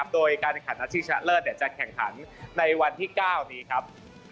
โดยการขับนักขีดชะเลอภจะแข่งขันในวันที่๙นี้ครับ